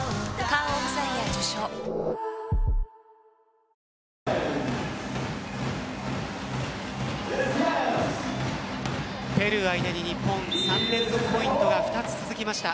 その前にペルー相手に日本、３連続ポイントが２つ続きました。